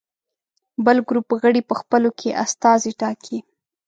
بل ګروپ غړي په خپلو کې استازي ټاکي.